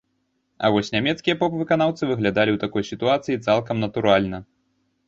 А вось нямецкія поп-выканаўцы выглядалі ў такой сітуацыі цалкам натуральна.